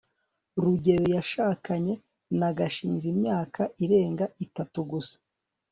rugeyo yashakanye na gashinzi imyaka irenga itatu gusa